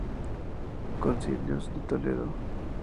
Concilios de Toledo